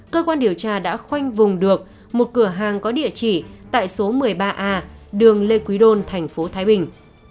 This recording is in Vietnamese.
cơ quan điều tra đã khoanh vùng được một cửa hàng có địa chỉ tại số một mươi ba a đường lê quý đôn thành phố thái bình